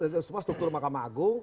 semua struktur makamah agung